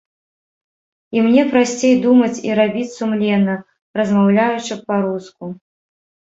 І мне прасцей думаць і рабіць сумленна, размаўляючы па-руску.